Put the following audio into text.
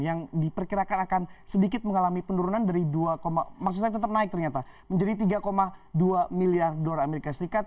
yang diperkirakan akan sedikit mengalami penurunan dari dua dua miliar dolar amerika serikat